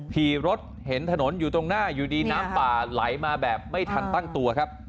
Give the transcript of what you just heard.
ขี่รถเห็นถนนอยู่ตรงหน้าอยู่ดีน้ำป่าไหลมาแบบไม่ทันตั้งตัวครับ